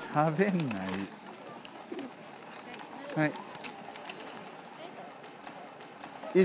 はい。